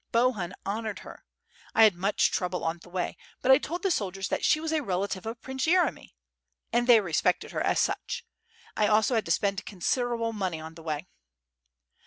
Bohun honored her; .... I had much trouble on the way .... but I told the soldiers 'that she was a relative of Prince Yeremy,' and they respected her as such. ... I also had to spend con siderable money on the way."